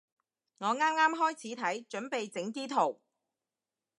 我啱啱開始睇，準備整啲圖